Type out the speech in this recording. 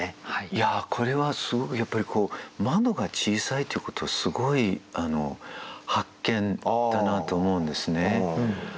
いやこれはやっぱり窓が小さいということすごい発見だなと思うんですね。